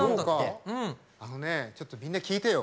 あのねちょっとみんな聞いてよ！